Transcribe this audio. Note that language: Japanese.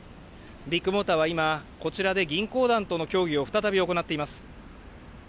ビッグモーターは今こちらで銀行団との協議を再び行っています。